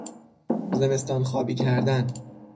زمستانخوابی کردن